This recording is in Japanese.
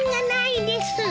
ないです。